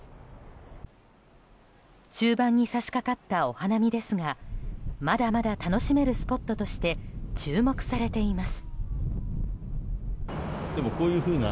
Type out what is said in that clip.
終盤に差し掛かったお花見ですがまだまだ楽しめるスポットとして注目されています。